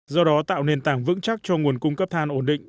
do đó tạo nền tảng vững chắc cho nguồn cung cấp than ổn định